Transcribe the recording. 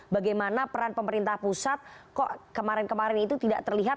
bagaimana peran pemerintah pusat kok kemarin kemarin itu tidak terlihat